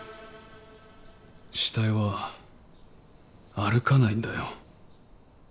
死体は歩かないんだよ。